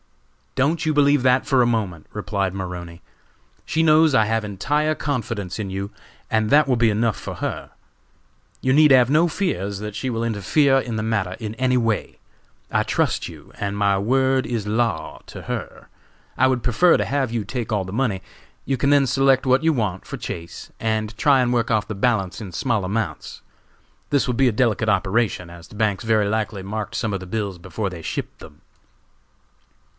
"Don't you believe that for a moment," replied Maroney. "She knows I have entire confidence in you, and that will be enough for her. You need have no fears that she will interfere in the matter in any way. I trust you, and my word is law to her. I would prefer to have you take all the money; you can then select what you want for Chase, and try and work off the balance in small amounts. This will be a delicate operation, as the banks very likely marked some of the bills before they shipped them."